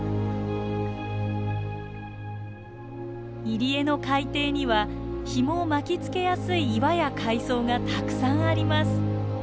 入り江の海底にはヒモを巻きつけやすい岩や海藻がたくさんあります。